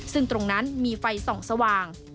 ซึ่งตรงนั้นมีไฟส่องสว่าง